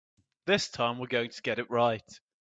This time we're going to get it right.